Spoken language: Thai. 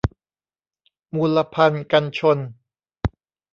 มูลภัณฑ์กันชน